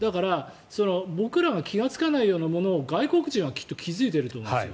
僕らが気がつかないようなものを外国人はきっと気付いていると思うんですよ。